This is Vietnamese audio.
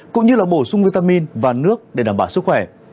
cũng như là bổ sung vitamin và nước để đảm bảo sức khỏe